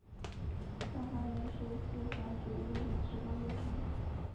上环原是四环九约里其中一环。